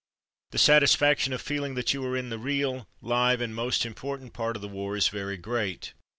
The satisfaction of feeling that you are in the real, live, and most important part of the war, is very great.